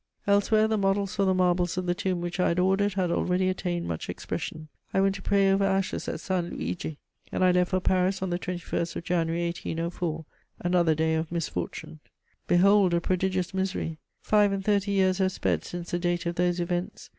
Elsewhere the models for the marbles of the tomb which I had ordered had already attained much expression. I went to pray over ashes at San Luigi, and I left for Paris on the 21st of January 1804, another day of misfortune. Behold a prodigious misery: five and thirty years have sped since the date of those events.